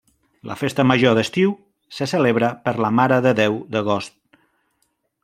La festa major d'estiu se celebra per la Mare de Déu d'Agost.